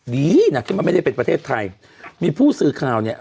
ดีนะที่มันไม่ได้เป็นประเทศไทยมีผู้สื่อข่าวเนี่ย